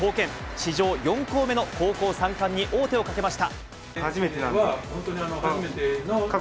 史上４校目の高校３冠に王手をかけました。